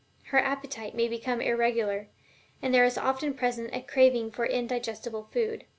Her appetite may become irregular, and there is often present a craving for indigestible food.